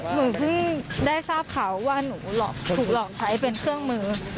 หนูเพิ่งได้ทราบข่าวว่าหนูถูกหลอกใช้เป็นเครื่องมือ